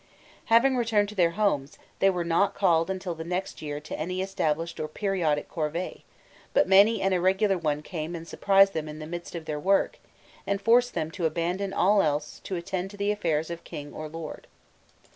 Having returned to their homes, they were not called until the next year to any established or periodic corvée, but many an irregular one came and surprised them in the midst of their work, and forced them to abandon all else to attend to the affairs of king or lord.